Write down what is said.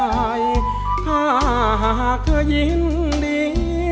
ถ้าหากเธอยินดี